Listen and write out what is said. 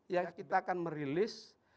ya kita akan merilis